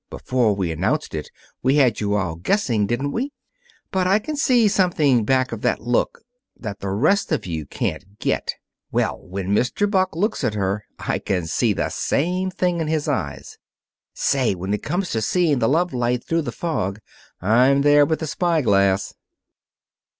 Before we announced it, we had you all guessing, didn't we? But I can see something back of that look that the rest of you can't get. Well, when Mr. Buck looks at her, I can see the same thing in his eyes. Say, when it comes to seeing the love light through the fog, I'm there with the spy glass."